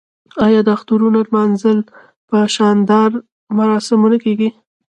آیا د اخترونو لمانځل په شاندارو مراسمو نه کیږي؟